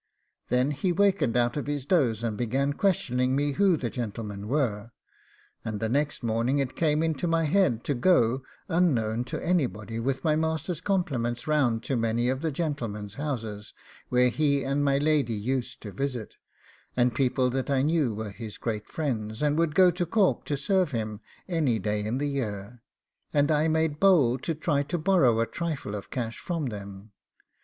Then he wakened out of his doze, and began questioning me who the gentlemen were. And the next morning it came into my head to go, unknown to anybody, with my master's compliments, round to many of the gentlemen's houses, where he and my lady used to visit, and people that I knew were his great friends, and would go to Cork to serve him any day in the year, and I made bold to try to borrow a trifle of cash from them.